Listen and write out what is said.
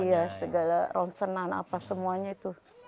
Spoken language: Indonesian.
iya segala rongsenan apa semuanya itu